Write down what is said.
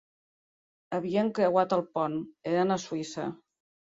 Havien creuat el pont; eren a Suïssa.